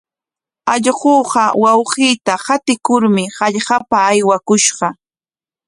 Allquuqa wawqiita qatikurmi hallqapa aywakushqa.